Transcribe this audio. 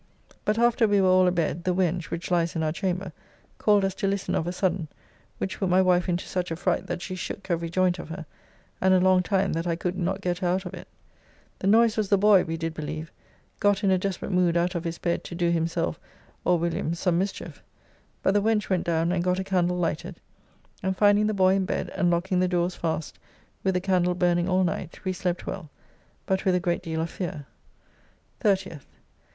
But after we were all a bed, the wench (which lies in our chamber) called us to listen of a sudden, which put my wife into such a fright that she shook every joint of her, and a long time that I could not get her out of it. The noise was the boy, we did believe, got in a desperate mood out of his bed to do himself or William [Hewer] some mischief. But the wench went down and got a candle lighted, and finding the boy in bed, and locking the doors fast, with a candle burning all night, we slept well, but with a great deal of fear. 30th.